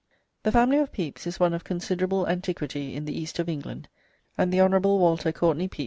The family of Pepys is one of considerable antiquity in the east of England, and the Hon. Walter Courtenay Pepys [Mr. W.